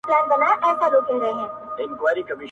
څه عجيبه جوارگر دي اموخته کړم.